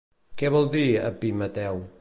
Què vol dir "Epimeteu"?